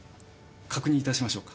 確認いたしましょうか？